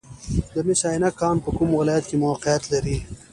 د مس عینک کان په کوم ولایت کې موقعیت لري؟